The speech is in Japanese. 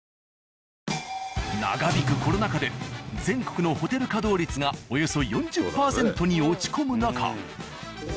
長引くコロナ禍で全国のホテル稼働率がおよそ４０％に落ち込む中